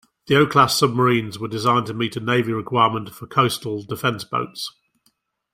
The O-class submarines were designed to meet a Navy requirement for coastal defense boats.